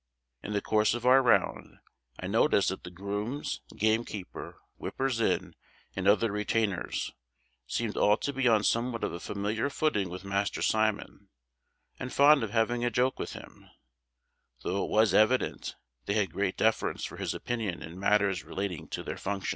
In the course of our round, I noticed that the grooms, gamekeeper, whippers in, and other retainers, seemed all to be on somewhat of a familiar footing with Master Simon, and fond of having a joke with him, though it was evident they had great deference for his opinion in matters relating to their functions.